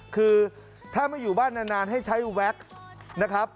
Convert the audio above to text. คือถ้าไม่อยู่บ้านนานให้ใช้แว็กซ์นะครับ